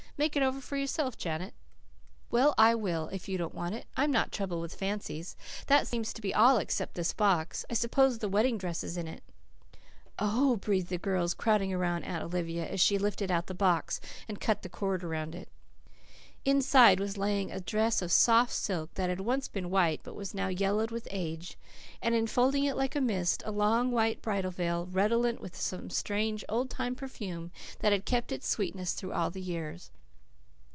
Make it over for yourself, Janet." "Well, I will, if you don't want it. I am not troubled with fancies. That seems to be all except this box. I suppose the wedding dress is in it." "Oh," breathed the girls, crowding about Aunt Olivia, as she lifted out the box and cut the cord around it. Inside was lying a dress of soft silk, that had once been white but was now yellowed with age, and, enfolding it like a mist, a long, white bridal veil, redolent with some strange, old time perfume that had kept its sweetness through all the years.